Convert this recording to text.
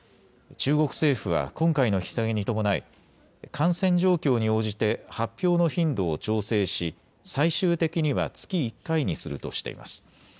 中国政府は今回の引き下げに伴い感染状況に応じて発表の頻度を調整し、最終的には月１回にするとしています。